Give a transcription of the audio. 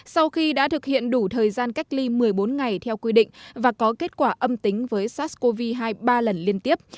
sau khi đã thực hiện đủ thời gian cách ly một mươi bốn ngày theo quy định và có kết quả âm tính với sars cov hai ba lần liên tiếp